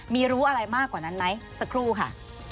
มีรู้อะไรมากกว่านั้นไหมสักครู่ค่ะ